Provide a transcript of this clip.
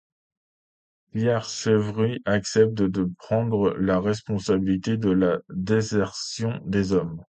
Pierre Chevry accepte de prendre la responsabilité de la désertion des hommes.